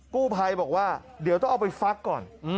กู้ภัยบอกว่าเดี๋ยวต้องเอาไปฟักก่อน